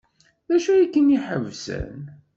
D acu ay ken-iḥebsen?